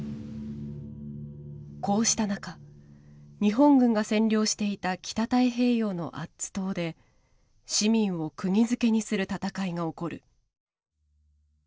こうした中日本軍が占領していた北太平洋のアッツ島で市民をくぎづけにする戦いが起こる。